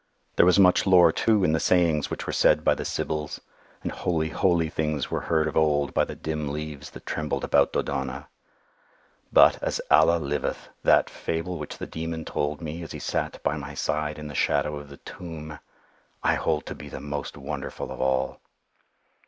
There was much lore too in the sayings which were said by the Sybils; and holy, holy things were heard of old by the dim leaves that trembled around Dodona—but, as Allah liveth, that fable which the Demon told me as he sat by my side in the shadow of the tomb, I hold to be the most wonderful of all!